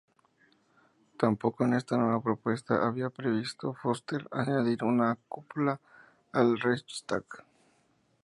Tampoco en esta nueva propuesta había previsto Foster añadir una cúpula al Reichstag.